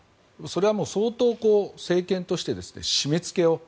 それは相当、政権として締め付けを。